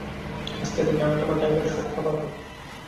আজকে থেকে, আমি তোমার টাইপের সব খাবার খাবো।